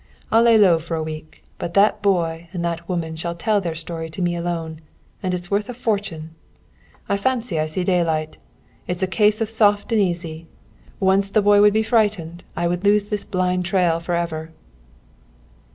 I'll lay low for a week, but that boy and that woman shall tell their story to me alone, and it's worth a fortune. I fancy I see daylight. It's a case of soft and easy. Once the boy would be frightened, I would lose this blind trail forever!"